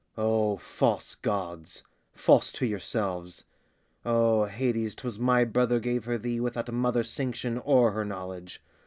O false gods! false to yourselves! O Hades, 'twas thy brother gave her thee Without a mother's sanction or her knowledge!